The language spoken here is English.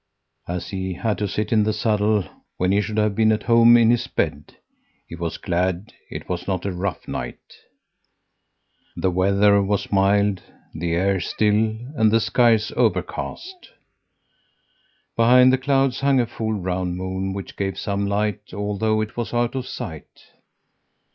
"As he had to sit in the saddle when he should have been at home in his bed, he was glad it was not a rough night. The weather was mild, the air still and the skies overcast. Behind the clouds hung a full round moon which gave some light, although it was out of sight.